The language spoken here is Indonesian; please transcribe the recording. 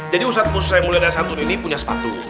jadi ustaz musa yang mulia dari santun ini punya sepatu